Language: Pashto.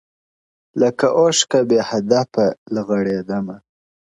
• لکه اوښکه بې هدفه رغړېدمه -